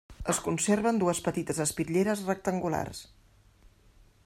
Es conserven dues petites espitlleres rectangulars.